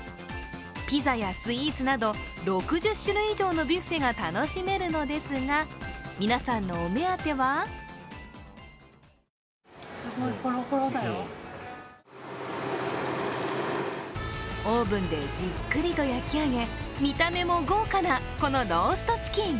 ピザやスイーツなど、６０種類以上のビュッフェが楽しめるのですが、皆さんのお目当てはオーブンでじっくりと焼き上げ見た目も豪華な、このローストチキン。